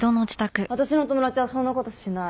私の友達はそんな事しない。